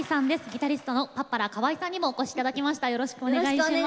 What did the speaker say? ギタリストのパッパラー河合さんにもお越しいただきました。